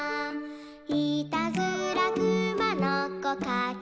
「いたずらくまのこかけてきて」